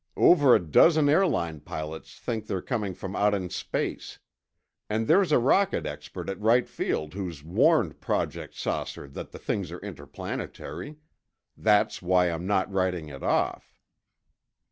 Over a dozen airline pilots think they're coining from out in space. And there's a rocket expert at Wright Field who's warned Project 'Saucer' that the things are interplanetary. That's why I'm not writing it off."